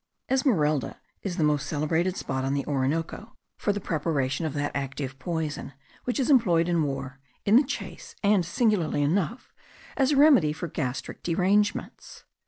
Esmeralda is the most celebrated spot on the Orinoco for the preparation of that active poison, which is employed in war, in the chase, and, singularly enough, as a remedy for gastric derangements.